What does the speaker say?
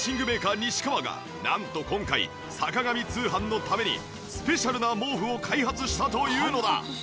メーカー西川がなんと今回『坂上通販』のためにスペシャルな毛布を開発したというのだ。